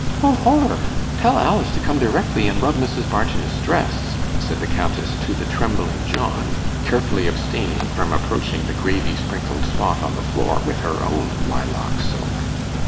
'O, horror! Tell Alice to come directly and rub Mrs. Barton's dress,' said the Countess to the trembling John, carefully abstaining from approaching the gravy sprinkled spot on the floor with her own lilac silk.